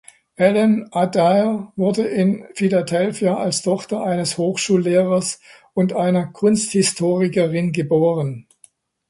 Ellen Adair wurde in Philadelphia als Tochter eines Hochschullehrers und einer Kunsthistorikerin geboren.